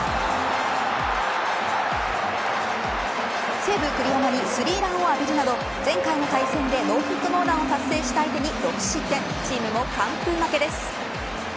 西武、栗山に３ランを浴びるなど前回の対戦でノーヒットノーランを達成した相手に６失点チームも完封負けです。